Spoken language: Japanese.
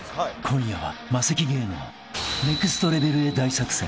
［今夜はマセキ芸能ネクストレベルへ大作戦］